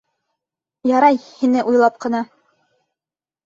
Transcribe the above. Ярай, һине уйлап ҡына.